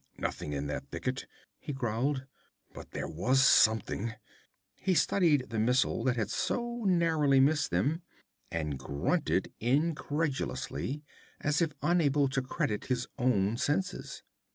'Nothing in that thicket,' he growled. 'But there was something ' He studied the missile that had so narrowly missed them, and grunted incredulously, as if unable to credit his own senses.